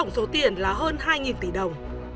số tiền là hơn hai tỷ đồng